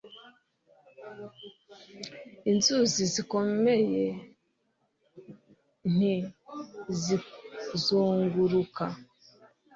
inzuzi zikomeye nti zizunguruka